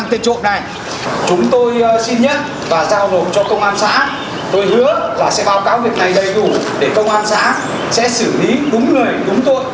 sẽ xử lý đúng người đúng tội